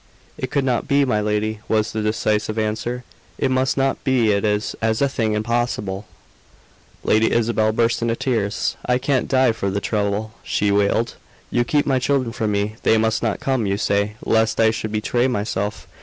"It could not be, my lady," was the decisive answer. "It must not be. It is as a thing impossible." Lady Isabel burst into tears. "I can't die for the trouble," she wailed. "You keep my children from me. They must not come, you say, lest I should betray myself.